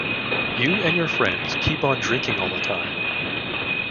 You and your friends keep on drinking all the time.